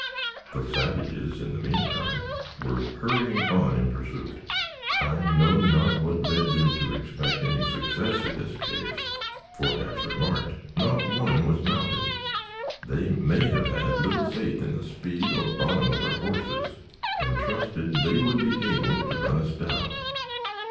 The savages, in the meantime, were hurrying on in pursuit. I know not what led them to expect any success in this chase, for, as remarked, not one was mounted. They may have had little faith in the speed or bottom of our horses, and trusted they would be able to run us down.